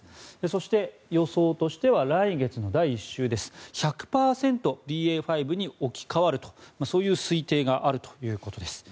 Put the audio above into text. そして、予想としては来月の第１週です１００％ＢＡ．５に置き換わるとそういう推定があるということです。